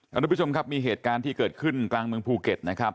ทุกผู้ชมครับมีเหตุการณ์ที่เกิดขึ้นกลางเมืองภูเก็ตนะครับ